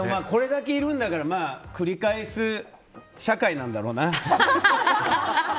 これだけいるんだから繰り返す社会なんだろうな。